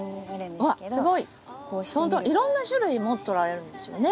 ほんといろんな種類持っておられるんですよね。